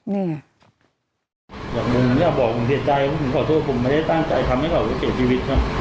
นี่